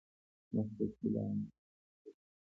مستقل عامل عمل پیلوي.